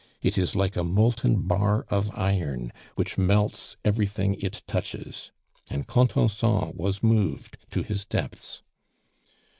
It is like a molten bar of iron which melts everything it touches. And Contenson was moved to his depths.